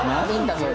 それ。